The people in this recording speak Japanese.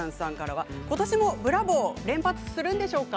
ことしもブラボー、連発するんでしょうか？